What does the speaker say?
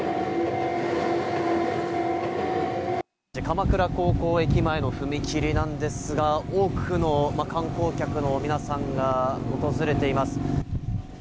鎌倉高校駅前の踏切なんですが、多くの観光客の皆さんが訪れています。